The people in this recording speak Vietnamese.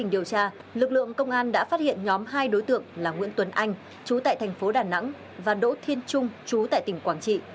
nhóm công an đã phát hiện nhóm hai đối tượng là nguyễn tuấn anh chú tại thành phố đà nẵng và đỗ thiên trung chú tại tỉnh quảng trị